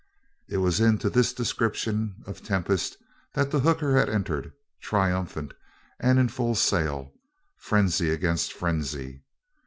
It was into this description of tempest that the hooker had entered, triumphant and in full sail frenzy against frenzy.